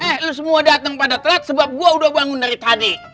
eh lu semua dateng pada telat sebab gua udah bangun dari tadi